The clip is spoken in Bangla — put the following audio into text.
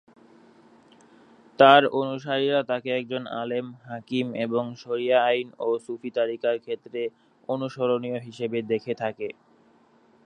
তার অনুসারীরা তাকে একজন আলেম, হাকিম এবং শরিয়া আইন ও সুফি তরিকার ক্ষেত্রে অনুসরণীয় হিসেবে দেখে থাকে।